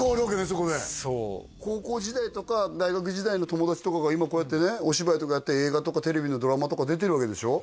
そこでそう高校時代とか大学時代の友達とかが今こうやってお芝居とかやって映画とかテレビのドラマとか出てるわけでしょ？